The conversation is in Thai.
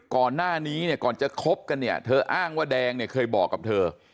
ก่อนหน้านี้เนี่ยก่อนจะคบกันเนี่ยเธออ้างว่าแดงเนี่ยเคยบอกกับเธอ